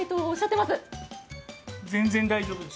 全然大丈夫です。